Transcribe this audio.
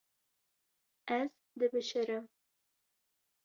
Ez dibişirim.